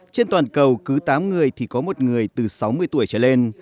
trên toàn cầu cứ tám người thì có một người từ sáu mươi tuổi trở lên